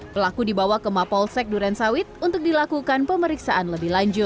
pelaku dibawa ke mapolsek durensawit untuk dilakukan pemeriksaan lebih lanjut